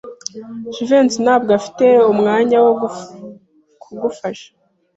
Jivency ntabwo afite umwanya wo kugufasha.